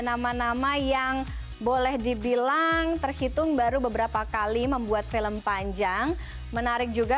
nama nama yang boleh dibilang terhitung baru beberapa kali membuat film panjang menarik juga